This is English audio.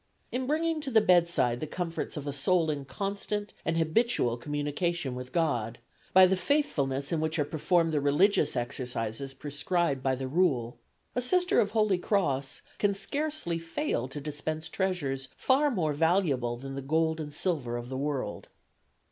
In bringing to the bedside the comforts of a soul in constant and habitual communication with God, by the faithfulness in which are performed the religious exercises prescribed by the rule, a Sister of Holy Cross can scarcely fail to dispense treasures far more valuable than the gold and silver of the world.